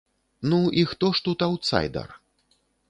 Ну, і хто ж тут аўтсайдар?